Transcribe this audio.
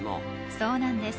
そうなんです。